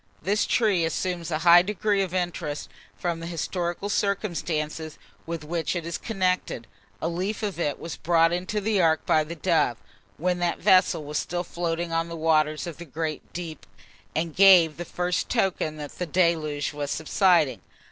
This tree assumes a high degree of interest from the historical circumstances with which it is connected. A leaf of it was brought into the ark by the dove, when that vessel was still floating on the waters of the great deep, and gave the first token that the deluge was subsiding.